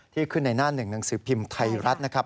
ขึ้นในหน้าหนึ่งหนังสือพิมพ์ไทยรัฐนะครับ